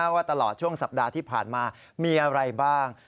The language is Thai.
ว่าตลอดช่วงสัปดาห์ที่ผ่านมามีอะไรบ้าง